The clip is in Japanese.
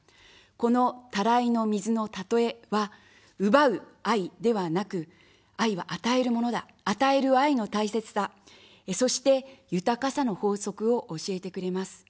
このたらいの水のたとえは、奪う愛ではなく、愛は与えるものだ、与える愛の大切さ、そして、豊かさの法則を教えてくれます。